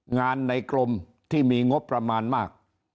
งานในกรมที่มีงบประมาณมาก